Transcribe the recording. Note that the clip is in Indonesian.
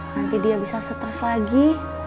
nanti dia bisa stres lagi